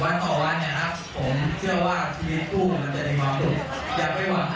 วันต่อวันผมเชื่อว่าชีวิตตู้มันจะมีความปลูก